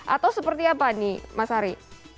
atau seperti apa nih mas ari